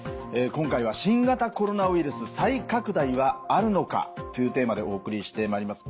今回は「新型コロナウイルス再拡大はあるのか？」というテーマでお送りしてまいります。